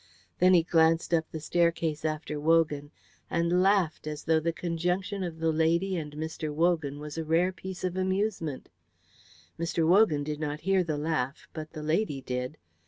Then he glanced up the staircase after Wogan and laughed as though the conjunction of the lady and Mr. Wogan was a rare piece of amusement. Mr. Wogan did not hear the laugh, but the lady did.